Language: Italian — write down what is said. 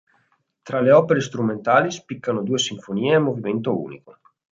Tra le opere strumentali spiccano due sinfonie a movimento unico.